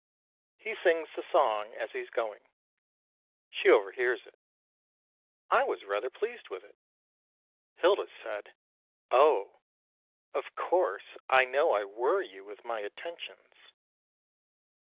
He sings the song as he's going. She overhears it. I was rather pleased with it. Hilda said: "Oh! of course I know I worry you with my attentions."